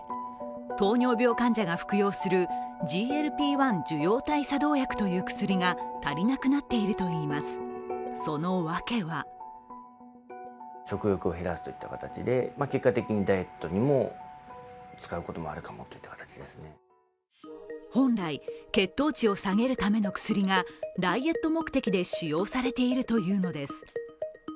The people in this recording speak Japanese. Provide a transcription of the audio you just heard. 糖尿病患者が服用するＧＬＰ−１受容体作動薬という薬が足りなくなっているといいます、そのわけは本来、血糖値を下げるための薬がダイエット目的で使用されているというのです